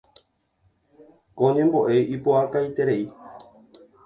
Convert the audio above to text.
Ko ñembo'e ipu'akaiterei.